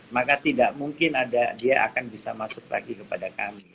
maka tidak mungkin ada dia akan bisa masuk lagi kepada kami